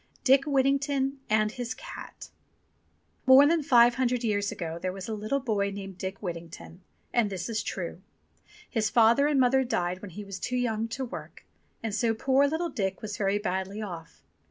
DICK WHITTINGTON AND HIS CAT MORE than five hundred years ago there was a Httle boy named Dick Whittington, and this is true. His father and mother died when he was too young to work, and so poor little Dick was very badly off.